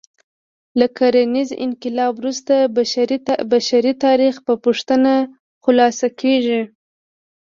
له کرنیز انقلاب وروسته بشري تاریخ په پوښتنه خلاصه کېږي.